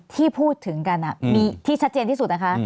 ที่พูดถึงกันมีที่ชัดเจนที่สุดนะคะ